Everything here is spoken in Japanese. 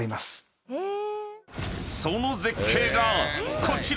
［その絶景がこちら！］